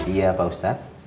iya pak ustadz